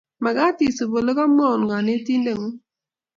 Magaat isup olegamwaun konetindengung